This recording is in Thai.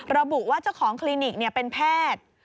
ระบุว่าเจ้าของคลินิกเป็นแพทย์